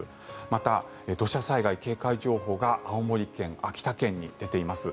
また、土砂災害警戒情報が青森県、秋田県に出ています。